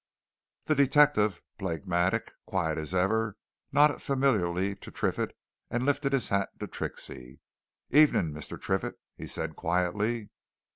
The detective, phlegmatic, quiet as ever, nodded familiarly to Triffitt and lifted his hat to Trixie. "Evening, Mr. Triffitt," he said quietly.